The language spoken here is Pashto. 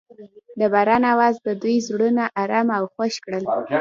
د باران اواز د دوی زړونه ارامه او خوښ کړل.